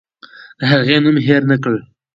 د هغې نوم هېر نکړه.